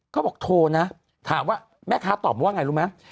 เขาบอกโทรนะแม่ค้าตอบว่าไงรู้ไหม